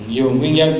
nhiều nguyên nhân